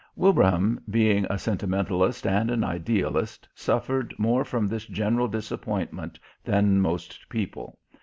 Wilbraham, being a sentimentalist and an idealist, suffered more from this general disappointment than most people.